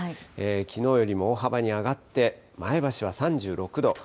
きのうよりも大幅に上がって、前橋は３６度。